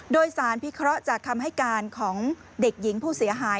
โดยสารพิเคราะห์จากคำให้การของเด็กหญิงผู้เสียหาย